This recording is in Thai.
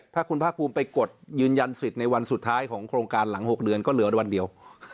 ถ้าคุณภาคภูมิไปกดยืนยันสิทธิ์ในวันสุดท้ายของโครงการหลัง๖เดือนก็เหลือวันเดียว